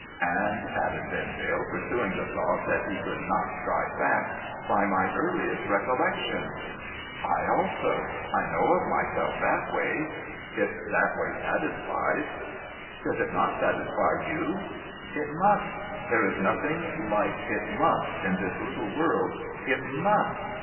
' And,' added Vendale, pursuing the thought that he could not drive back, * by my earliest recollections.' ' I also. I know of myself that way — if that way satisfies.' ' Does it not satisfy you ?'' It must. There is nothing like "it must" in this little world. It must.